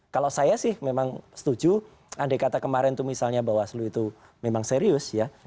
kalau saya sih memang setuju andai kata kemarin itu misalnya bawaslu itu memang serius ya